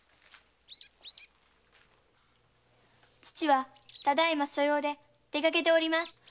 父はただいま所用で出かけております。